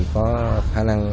có khả năng